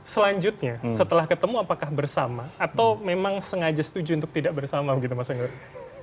selanjutnya setelah ketemu apakah bersama atau memang sengaja setuju untuk tidak bersama begitu mas anggar